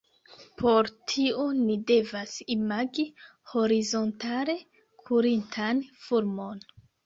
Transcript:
Por tio ni devas imagi horizontale kurintan fulmon.